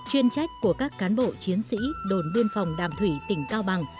chuyên trách của các cán bộ chiến sĩ đồn biên phòng đàm thủy tỉnh cao bằng